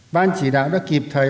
ban chỉ đạo đã kịp thời